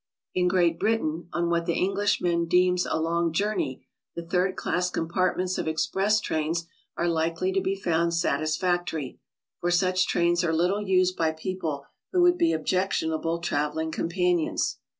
In Great Britain, on what the Englishman deems a long journey, the third class compartments of express trains are likely to be found satisfactory, for such trains are little used by people who would be objectionable traveling companions.